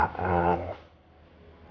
pasti dia senang